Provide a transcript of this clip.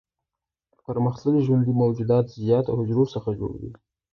پرمختللي ژوندي موجودات د زیاتو حجرو څخه جوړ وي.